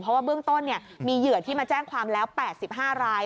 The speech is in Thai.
เพราะว่าเบื้องต้นมีเหยื่อที่มาแจ้งความแล้ว๘๕ราย